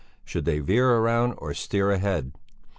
Should they veer round or steer ahead?